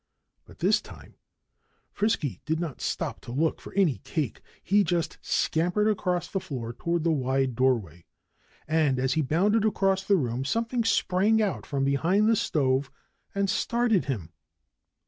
But this time Frisky did not stop to look for any cake. He just scampered across the floor toward the wide doorway. And as he bounded across the room something sprang out from behind the stove and started after him.